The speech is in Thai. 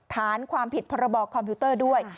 ฐานความผิดพรบคอมพิวเตอร์ด้วย